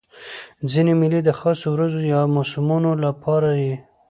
ځیني مېلې د خاصو ورځو یا موسمونو له پاره يي.